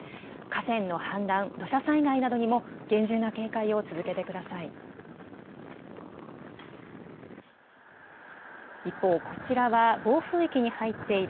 河川の氾濫、土砂災害などにも厳重な警戒を続けてください。